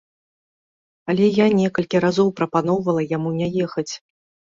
Але я некалькі разоў прапаноўвала яму не ехаць.